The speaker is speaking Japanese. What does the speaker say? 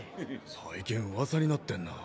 最近噂になってんな。